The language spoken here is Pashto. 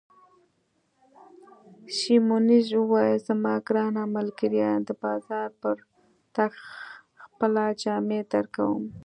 سیمونز وویل: زما ګرانه ملګرې، د بازار پر تګ خپله جامې درکوم.